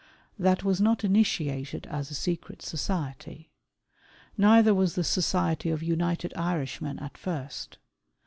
That was not initiated as a secret society. Neither was the Society of United Irishmen at first.